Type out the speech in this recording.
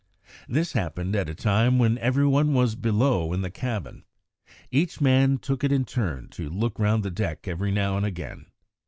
This happened at a time when every one was below in the cabin. Each man took it in turn to look round the deck every now and again.